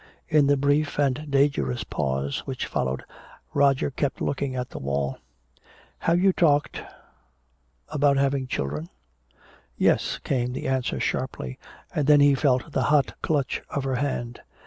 In the brief and dangerous pause which followed Roger kept looking at the wall. "Have you talked about having children?" "Yes," came the answer sharply, and then he felt the hot clutch of her hand.